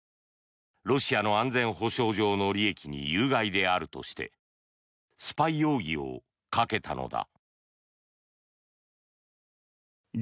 ロシアの安全保障上の利益に有害であるとしてスパイ容疑をかけたのだ。